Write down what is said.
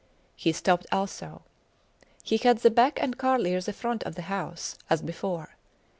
He stopped also. He had the back and Carlier the front of the house, as before.